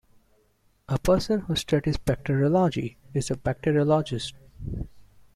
A person who studies bacteriology is a bacteriologist.